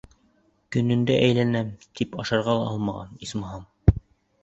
Көнөндә әйләнәм, тип ашарға ла алмаған, исмаһам.